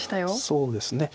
そうですね。